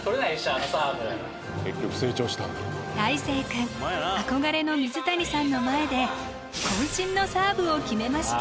あのサーブたいせい君憧れの水谷さんの前で渾身のサーブを決めました